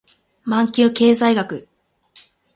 マンキュー経済学